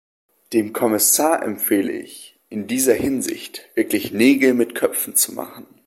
Dem Kommissar empfehle ich, in dieser Hinsicht wirklich Nägel mit Köpfen zu machen.